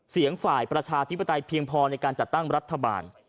เสียงฝ่ายประชาธิปไตยเพียงพอในการจัดตั้งรัฐบาล